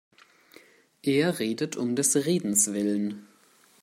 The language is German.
Er redet um des Redens Willen.